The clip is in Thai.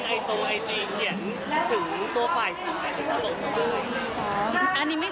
เบลยังไม่ได้คุยกับพาตเลย